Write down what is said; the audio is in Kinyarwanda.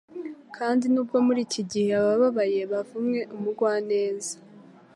Kandi nubwo muriki gihe abababaye bavumwe umugwaneza